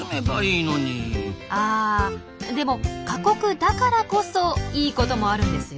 ああでも過酷だからこそいいこともあるんですよ。